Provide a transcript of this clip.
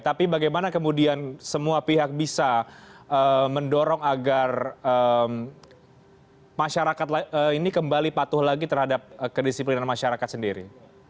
tapi bagaimana kemudian semua pihak bisa mendorong agar masyarakat ini kembali patuh lagi terhadap kedisiplinan masyarakat sendiri